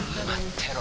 てろ